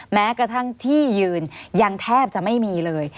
แม้กระทั่งที่ยืนยังแทบจะไม่มีเลย